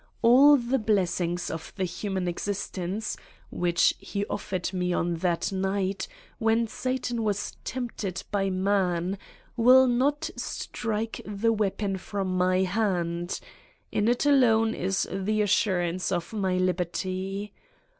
All the blessings of the human exist ence, which he offered me on that night, when Satan was tempted by man, will not strike the weapon from my hand: in it alone is the assur ance of my liberty!